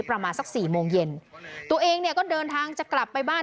ประมาณสักสี่โมงเย็นตัวเองเนี่ยก็เดินทางจะกลับไปบ้าน